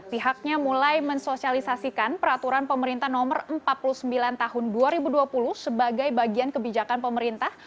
pihaknya mulai mensosialisasikan peraturan pemerintah no empat puluh sembilan tahun dua ribu dua puluh sebagai bagian kebijakan pemerintah